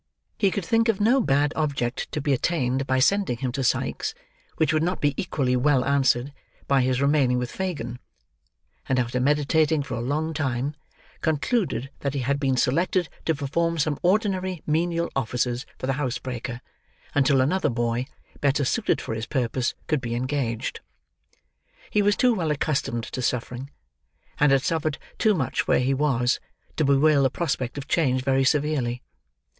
He could think of no bad object to be attained by sending him to Sikes, which would not be equally well answered by his remaining with Fagin; and after meditating for a long time, concluded that he had been selected to perform some ordinary menial offices for the housebreaker, until another boy, better suited for his purpose could be engaged. He was too well accustomed to suffering, and had suffered too much where he was, to bewail the prospect of change very severely.